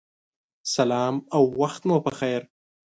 سلام او وخت مو پخیر